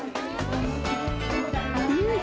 うん！